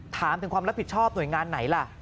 ถามถึงความรับผิดชอบหน่วยงานไหนล่ะ